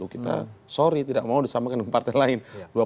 kita sorry tidak mau disampaikan ke partai lain